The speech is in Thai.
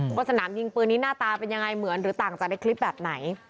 ว่าสนามยิงปืนนี้หน้าตาเป็นยังไงเหมือนหรือต่างจากในคลิปแบบไหน